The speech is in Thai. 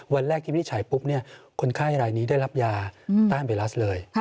วันแรกที่วินิจฉัยปุ๊บคนไข้รายนี้ได้รับยาต้านไวรัสเลย